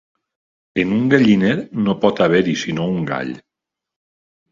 En un galliner no pot haver-hi sinó un gall.